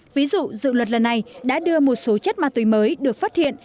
ví dụ dự luật lần này đã đưa một số chất ma túy mới được phát hiện